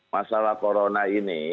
masalah corona ini